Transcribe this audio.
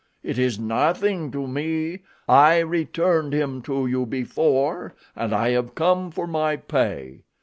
It is nothing to me. I returned him to you before and I have come for my pay.